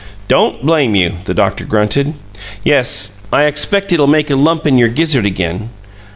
"Don't blame you!" the doctor grunted. "Yes, I expect it'll make a lump in your gizzard again.